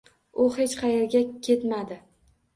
U hech qayerga ketmadi.